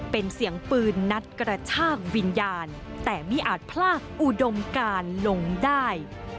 เป็นเสียงปืนนัดกระชากวิญญาณแต่ไม่อาจพลากอุดมการลงได้